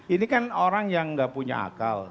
ini kan orang yang nggak punya akal